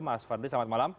mas fadli selamat malam